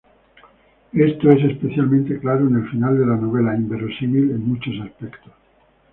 Esto es especialmente claro en el final de la novela, inverosímil en muchos aspectos.